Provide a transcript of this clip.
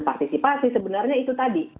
partisipasi sebenarnya itu tadi